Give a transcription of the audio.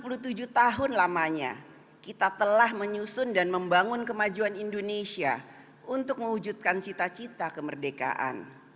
dua puluh tujuh tahun lamanya kita telah menyusun dan membangun kemajuan indonesia untuk mewujudkan cita cita kemerdekaan